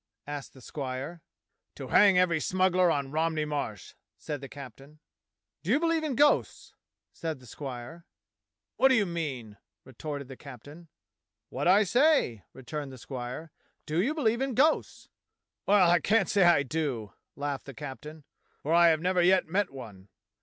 asked the squire. "To hang every smuggler on Romney Marsh," said the captain. "Do you believe in ghosts?" said the squire. "AMiat do you mean?" retorted the captain. " \Miat I say," returned the squire. " Do you beheve in ghosts?" "Well, I can't say I do," laughed the captain, "for I have never yet met one."